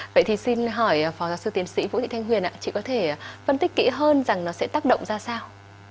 vậy thì xin hỏi phó giáo sư tiến sĩ vũ thị thanh huyền ạ chị có thể phân tích kỹ hơn rằng nó sẽ tác động ra sao